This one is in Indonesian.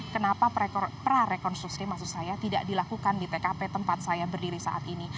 kenapa prarekonstruksi maksud saya tidak dilakukan di tkp tempat saya berdiri saat ini